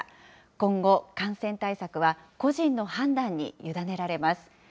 今後、感染対策は個人の判断に委ねられます。